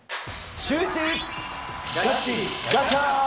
シューイチ！